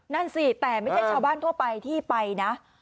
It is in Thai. นั่นสิแต่ไม่ใช่ชาวบ้านทั่วไปที่ไปนะ